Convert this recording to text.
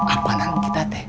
apalagi kita teh